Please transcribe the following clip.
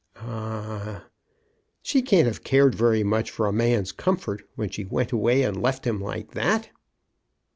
" Ah!" " She can't have cared very much for a man's comfort, when she went away and left him like that."